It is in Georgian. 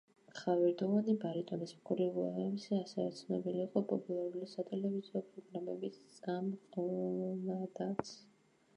ხავერდოვანი ბარიტონის მქონე უილიამსი, ასევე, ცნობილი იყო პოპულარული სატელევიზიო პროგრამების წამყვანადაც.